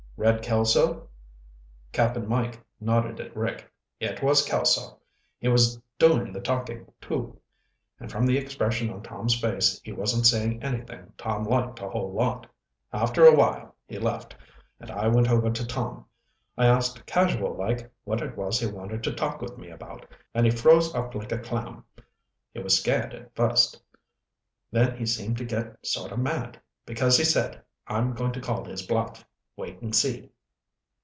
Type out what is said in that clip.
"Red Kelso?" Cap'n Mike nodded at Rick. "It was Kelso. He was doing the talking, too, and from the expression on Tom's face, he wasn't saying anything Tom liked a whole lot. After a while he left, and I went over to Tom. I asked casual like what it was he wanted to talk with me about and he froze up like a clam. He was scared, at first. Then he seemed to get sort of mad, too, because he said, 'I'm going to call his bluff. Wait and see.'"